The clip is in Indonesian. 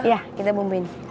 iya kita bumbuin